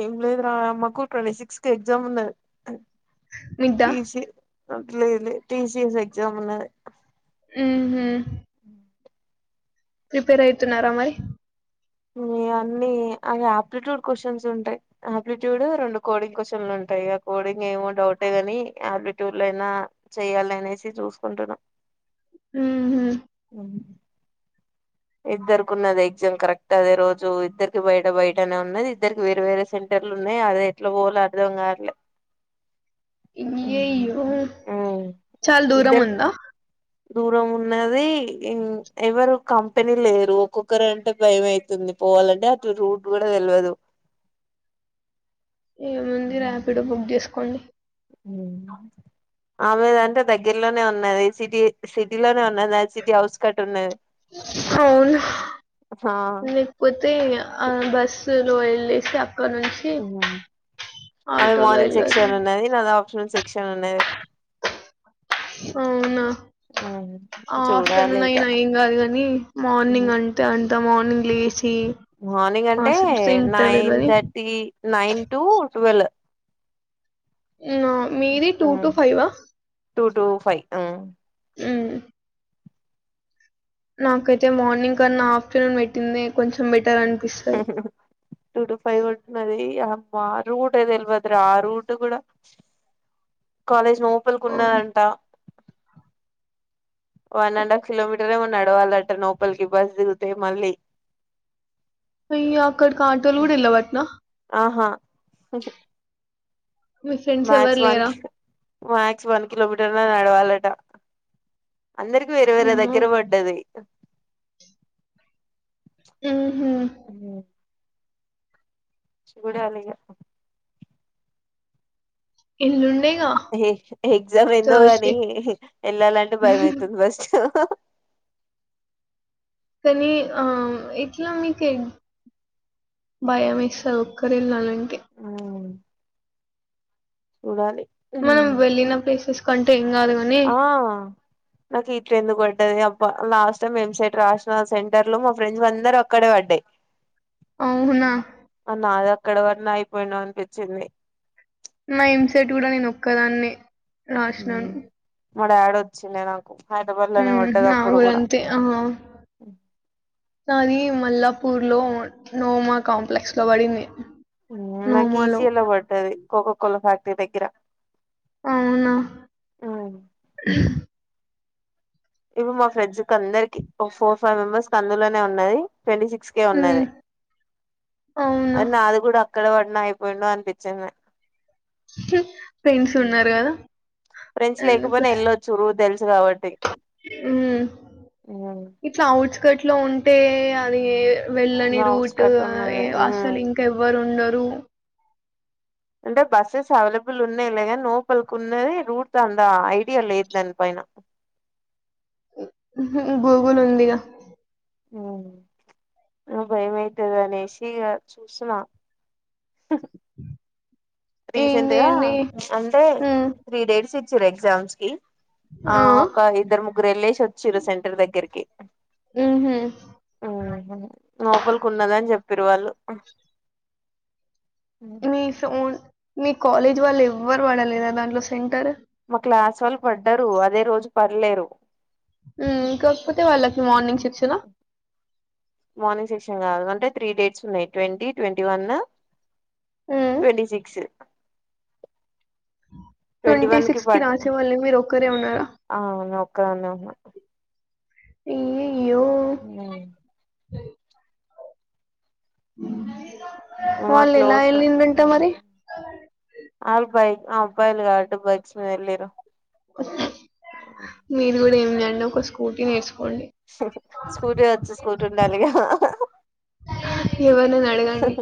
ఏం లేదు రా అమ్మకు ట్వంటీ సిక్స్ కి ఎగ్జామ్ ఉన్నది మీద్దా ఈసి అట్లంలే టి సి ఎస్ ఎక్సామ్ ఉన్నది మ్ హు ప్రిపేర్ అయితున్నారా మరి మ్ అన్నీ అ ఆప్లిట్యూడ్ క్వశ్చన్స్ ఉంటాయి, ఆప్లిట్యూడ్ రెండు కోడింగ్ క్వశ్చన్లు ఉంటాయి, ఇగ కోడింగ్ ఏమో డౌటే గాని ఆప్లిట్యూడ్ లోయినా చెయాలి అనేసి చూసుకుంటున్నా మ్ మ్ ఇద్దరికి ఉన్నది ఎగ్జామ్ కరెక్ట్ అదే రోజు ఇద్దరికి బయట బయటనే ఉన్నది, ఇద్దరికి వేరే వేరే సెంటర్లు ఉన్నాయి అదే ఎట్లా పోవలో అర్ధం కావట్లే ఇ్యయ్యో యో చాలా దూరం ఇద్దరు ఉందా దూరం ఉన్నది ఇం ఎవరు కప్ పని లేరు ఒక్కొక్కరు అంటే భయం అయితుంది పోవాలంటే అటు రూట్ కూడా తెల్వదు ఏముంది ర్యాపిడో బుక్ చేసుకోండి మ్ ఆమెద అంటే దగ్గరలోనే ఉన్నది సిటీ సిటీలోనే ఉన్నది, అ సిటీ హౌస్ కట్ ఉన్నది అవును ఆ లేకపోతే ఆ బస్ స్సుల్లో వెల్లెసి అక్ వునా అమెది ఆటోలో మార్నింగ్ వెళ్ళాలి సెక్షన్ ఉన్నది నాది ఆఫ్టర్ నూన్ సెక్షన్ ఉన్నది అవునా చూడాలి ఆఫ్టర్నూన్ ఇక అయినా ఎమ్ గాదు గని మార్నింగ్ అంటే అంత మార్నింగ్ ప్లీస్ మార్నింగ్ అంటే నైన్ తెల్వది థర్టీ నైన్ టు టుల్వ్ మీది టూ టు ఫైవ్ వా టూ టూ ఫై మ్ మ్ నాకైతే మార్నింగ్ కన్నా ఆఫ్టర్నూన్ పెట్టింది కొంచెం బె టూ టు ఫైవ్ వరకు నాది యా అబ్బా రూటె తెల్వద్రా రూటు కూడా కాలేజ్ లోపలికి అవును ఉన్నాదంటా వన్ అండ్ హాఫ్ కిలోమీటరు ఎమో నడవాలట లోపలికిి బస్ దిగుతే మళ్ళీ అయ్య అక్కడికి ఆటోలు కూడా ఎల్లవంట్నా మక్స్ వన్ కి మ్యాక్స్ వన్ కిలోమీటర్ నడవాలట అందరికి వేరే వేరే అమ్మో! దగ్గర పడ్డది ఉ అర్రె చూడాలిగా ఎల్లుండే ఎగ్జామ్ ఎందో కాని వెళ్ళాలంటే భయం అవుతుంది ఫస్టు ఓ మీ ఆ ఇట్లా మీకె భయం వేస్తాది ఒక్కరే వెళ్ళాలం ఆవు చూడాలి మనం వెళ్ళిన ప్లేసెస్ కంటే గాదు గానీ ఆ నాకి ఎందుకు పడ్డది అబ్బా లాస్ట్ టైం ఏం సెట్ రాసిన సెంటర్ లో మా ఫ్రెండ్స్ అందరివి అక్కడే బడ్డాయ్ అవునా! అన్ నాదె అక్కడ పడన అయిపోయిండు అనిపించింది నా ఎంసెట్ కూడా నేను ఒక్కదాన్నే రాష్నాను మ డాడ్ వచ్చిండ నాక్ మ్ హు మా ఊరంతే హా నాది మల్లాపూర్ లో నోమా కాంప్లెక్స్ లో పడింది. నకి నోమాలో. ఈసి లో పడ్డది కోకో కొల ఫ్యాక్టరీ దగ్గర అవునా ఇవి మా ఫ్రెడ్జ్ కి అందరికి ఒక ఫోర్ ఫైవ్ మెంబర్స్ కి అందులోనే ఉన్నది. ట్వంటీ సిక్స్ కేే హ్మ్. ఉన్నది అవునా! అది నాది కూడా ఇక్కడ పడిన అయిపోయిండు అనిపించింద చె ఉ ఫ్రెండ్స్ లేకపోయినా వెళ్ళొచ్చు తెలుస్ కాబట్టి ఉ ఉమ్ ఇట్లా ఆవుట్స్కట్ ఇంట్లో ఉంటే అవి వెళ్ళని రూట్ కట్ ఉన్నది అసలు ఉమ్ ఇంకా ఎవ్వరు ఉండద్ రు అంటే బస్సెస్ అవైలబుల్ ఉన్నాయి లే. నోపలికి ఉన్నది రూట్ అంద ఐడియా లేదు. దాని పైన హ్ గూగుల్ ఉందిగా ఉమ్ భయమైతది అనేసి చూస్తున ఏం రీసెంట్గా చేయండి అంటే మ్మ్. త్రీ డేస్ రు ఎగ్జామ్స్ కి ఆ ఒక ఇద్దరు ముగ్గురు వెళ్ళేసి వచ్చిరు సెంటర్ దగ్గరికి ఉహు లోపలికి ఉన్నదని చెప్పిర్రు వాళ్ళు మీ సొండ్ మీ కాలేజ్ వాళ్ళు ఎవ్వరు పడలేదా దాంట్లో సెంటర్ మా క్లాస్ వాళ్ళు పడ్డరు అదే రోజు పర్లేరు ఇం కాకపోతే వాళ్ళకి మార్నింగ్ శిక్షణ మార్నింగ్ సెక్షన్ కాదు అంటే త్రీ డేట్స్ ఉన్నాయి. Twenty, twenty one. Twenty six twenty one కి సిక్స్ పడ్ రాసే వాళ్ళు మీరు ఒక్కరే ఉన్నారా అవును ఒక్కదాన్నే ఉన్నా ఏ మ్ ఉ మా వాళ్ళు ఎలా క్లోజ్ ఏళ్లిందంట మరి అల్ బైక్ అబ్బాయిల్ కాబట్టి బైక్స్ మీద వెళ్లిర్రూ మీరు కూడా ఏం లేండు. స్కూటీ వచ్చు స్కూటీ ఉండిలీగా ఎవరినైనా అడగండి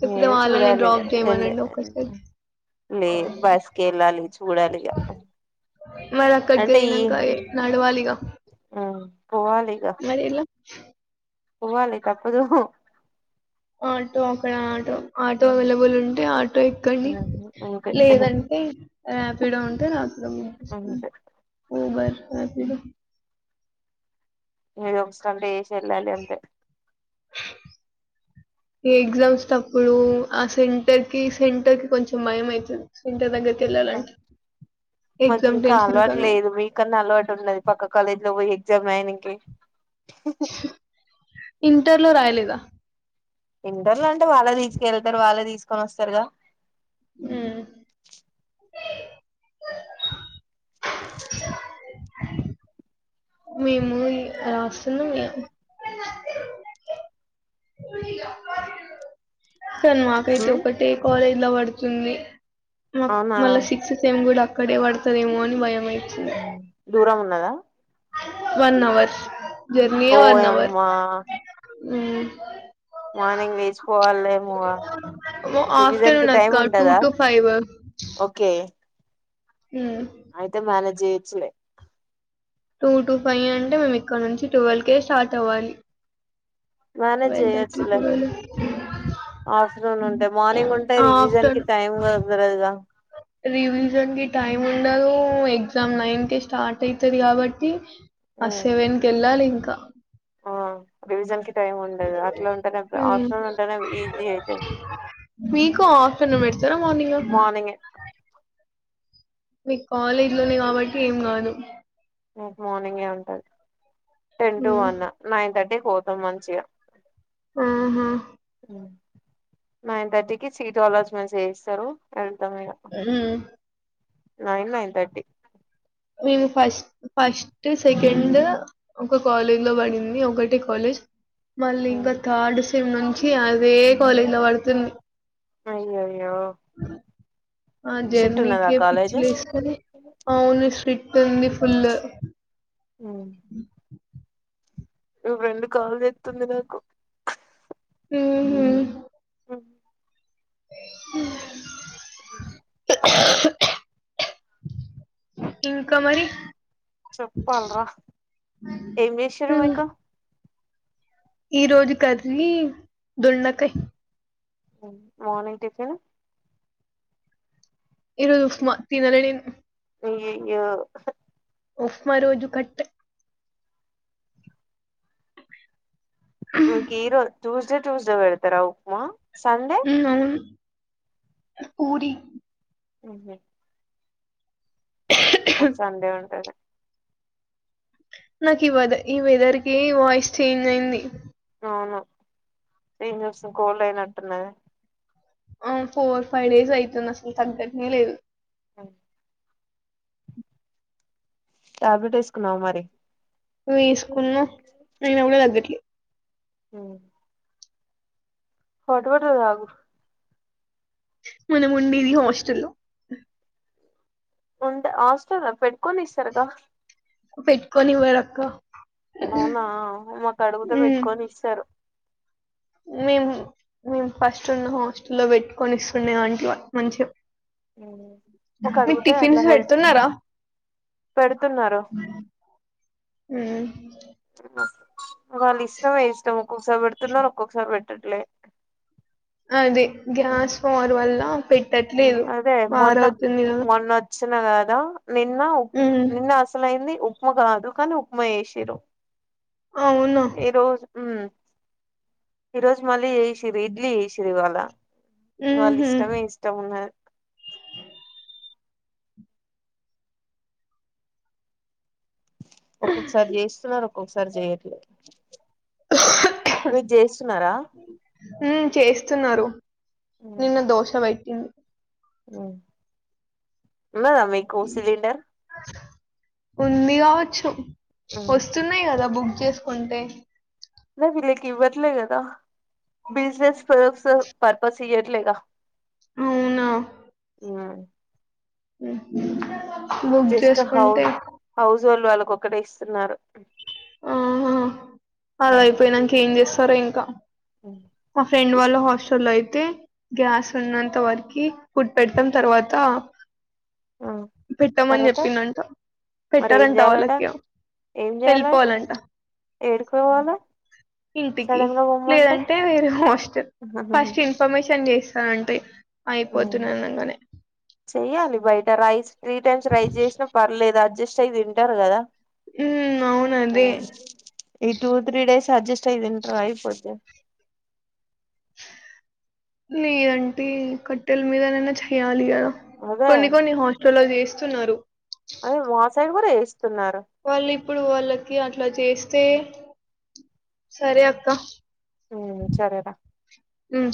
లేకపోతే మీరు వాళ్ళని చూడాలి. డ్రాప్ ఏళ్ళి చేయమనండి ఒక్కసారి లే బస్కి వెళ్ళాలి చూడాలిగా మరి అక్కడికి అంటే ఈ వెళ్ళినాక నడవాలిగా ఆ పోవాలిగా మరి ఎలా పోవాలి తప్పదు. ఆటో అక్కడ ఆటో ఆటో అవైలబుల్ ఉంటే ఆటో ఎక్కండి అంతే లేదంటే ర్యాపిడో ఉంటే బుక్ చేసుకోండి. అంతే ఊబర్ రాపిడో ఏదొక స్టాంటే చేసిన వేల్లాలి అంతే ఎగ్జామ్స్ టప్పుడూ ఆ సెంటర్ కీ సెంటర్ కి కొంచెం భయం అయితది. సెంటర్ దగ్గరకి మాకు ఇంకా టెన్షన్ అలవాటు కన్నా లేదు మీకన్నా అలవాటు ఉన్నది. పక్క కాలేజ్ లో పోయ్యి ఏక్ గ్జామ్ రాయనికి హ్ హ్ ఇంటర్లో రాయలేదా ఇంటర్లో అంటే వాళ్ళే తీసుకెళ్తరు వాళ్ళే తీసుకొని వోస్తరుగా ఉమ్. మేము రాస్తున్నాం ఇగ కానీ మాకైతే ఉమ్ ఒకటే కాలేజ్ ఇలా వాడుతుంది. మాక్ అవునా మళ్ళ సిక్స్ సెవెన్ గుడా ఇక్కడే వడతదేమో అని భయమై హ్ దూరం ఉన్న న్నదా వన్ అవర్ ఓయమ్మా హు మార్నింగ్ వేసుకోవాలేమో గా రివిజన్ కి ఆఫ్టర్నూన్ టైం అక్క టూ ఉంటదా. టు ఫైవ్ ఓకే అయితే మాలేద్ జేయించూడే టూ టు ఫైవ్ అంటే మేము ఇక్కడ నుంచి ట్వెల్వ్ కేే స్టార్ట్ అవ్వాలి మేనేజ్ ట్వెల్వ్ థర్టీ చేయొచ్చులే, ట్వెల్వ్ ఆఫ్టర్నూన్ ఉంటే మార్నింగ్ ఉంటే రివిజన్ కి ఆఫ్టర్నూన్ టైం కూడా కుదరదుగా రివిజన్ కి టైమ్ ఉండదూ, ఎగ్జామ్ నైన్ కి స్టార్ట్ అయితది కాబట్టి, ఆ ఉమ్ సెవెన్ కెళ్ళాలి ఇంక ఆ రివిజన్ కి టైం ఉండదు అట్లా ఉంటేనే మ్ ఆఫ్టర్నూన్ ఉంటేనే ఈజీ అయితది మీకు ఆఫ్ [unintelligible] తరా మార్నింగా మార్నింగే మీకు కాలేజీ లోనే కాబట్టి ఏం గాదు మాకు మార్నింగే ఉంటది టెన్ టూ ఉమ్, వన్న నైన్ థర్టీ పోత మంచిగా ఆహా ఉమ్ నైన్ థర్టీకి సీటు అల్లోట్స్మెంట్స్ చేయిస్తారు ఇగ మ్ నైన్ నైన్ థర్టీ మేము ఫస్ట్ ఫస్ట్ సెకండ్ ఒక కాలేజ్ లో పడింది ఒకటి కాలేజ్ మళ్ళ ఇంకా తాడు నుంచి అదే కాలేజ్ లో పడుతుం అయ్యో అయ్యేయో ఆ జర్నీకి పిచ్చిలేస్తేనే అవును శ్రీ పింది ఫుల్ ఉ నువ రెండు కాలు చెతుంది నాకు మ్ హు ఉ అ ఇంకా మరి చెప్పాలరా ఏం చేశారు ఉమ్, మీకు ఈ రోజు కర్రీ దొండకాయ మోర్నింగ్ టిఫిన్ ఈరోజు ఉప్మా తినలే నేను అ్య అయ్యో ఉప్మా రోజు కట్ కీరో ట్యూస్డే ట్యూస్డే పెడ్తారా ఉప్మా సండే ఉ అవును పూరి ఉహు మాక్ సండే ఉంటది నాకు ఈ వెద ఈ వెదర్ కి వాయిస్ చేంజ్ అయింది అవును ఏం చేస్తావ్ కోల్డ్ అయినట్టున్నది ఆ ఫోర్ ఫైవ్ డేస్ అవుతున్ అసలు తగ్గట్నే లేదు హా టాబ్లెట్ ఏసుకున్నావా మరి వేసుకున్నా అయినా కూడ తగ్గట్లే హు హాట్ వాటర్ తాగు మనం ఉండేది హాస్టల్ లో ఉంటే హాస్టల్ లో పెట్కోనిస్తారుగా పెట్టుకోనివ్వరు అక్క అవునా మాకు అడుగుతే పెట్టుకొనిస్తారు మేము మేము ఫస్ట్ ఉన్న హాస్టల్లో పెట్టుకొనిస్తున్నే వంట్లో మంచిగా ఒక మీకు అడిగితే అట్లా టిఫిన్స్ హెల్త్ పెడుతున్నారా? పెడుతున్నారు హ్మ్. వాళ్ళ ఇష్టం అయిష్టం కూసవెడుతున్నార్ ఒకొక్కసారి వె పెట్లే అదే గ్యాస్ ఫావర్ వల్ల మ్మ్ పెట్టట్లేదు. అదే మొన్న వారవుతుంది గదా! మొన్న వచ్చినగా ద నిన్న ఉప్ హ్మ్. నిన్న అసలయింది ఉప్ ఉప్మకాదు కాని ఉప్మా వేసిరు అవునా మ్మ్ ఈరోజు మళ్ళీ చేసిరి ఇడ్లీ చేసిరి ఇవాళ వాళ్ళ హుహు. ఇష్టమే ఇష్టమింగా ఒక్కొక్కసారి జేయిస్తున్నారు ఒక్కొక్కసారి జేయట్లే ఉమ్ చేస్తున్నారు నిన్న దోశ పెట్టింది. మ్మ్ ఉన్నదా మీకు సిలిండర్ ఉంది గా వచ్చు వస్తున్నాయి కదాబూ చేసుకుంటే న వీళ్ళ కి ఇవ్వట్లేదు కదా బిజినెస్ పరస్ పర్పస్ ఇయట్లే గా అవునా ఆ ఉ బుక్ చేసుకుంటే జొళ వాళ్ళకు ఒకటే ఇస్తున్నారు ఆ అలా అయిపోయినాక ఏం చేస్ సరే ఇంకా మా ఫ్రెండ్ ఇస్త వాళ్ళ హాస్టల్ లో అయితే గ్యాస్ ఉన్నంత వరకి ఫూడ్ పెడతం తర్వాత ఆ పెట్టామని తర్వాత చెప్పినంట మరి ఏం పెట్టారంట చేయాలట వాళ్ళకి ఏం చేయాలా వెళ్ళిపోవాలంట ఏడుకోవాలా ఇంటికి సడన్ గా పొమ్మంటే లేదంటే వేరే హస్టల్ ఫస్ట్ ఇన్ఫర్మేషన్ చేసి టే మ్ చెయ్యాలి బయట రైస్ త్రీ టైమ్స్ రైస్ చేసినా పర్లేదు అది అడ్జస్ట్ అయి తింటారు కదా హ్మ్ అవును అదే ఈ టూ త్రీ డేస్ అడ్జస్ట్ అయి తింటారు అయిపోతే నేను అంట కట్టెల మీద చేయాలి కద అదే కొన్ని కొన్ని హస్టెల్లో చేసి స్తున్నారు అ మ సైడ్ కూడా చేస్తున్నారు వాళ్ళు ఇప్పుడు వాళ్ళకి అట్లా చేస్ త సరే అక్క ఉ సరేదా మ్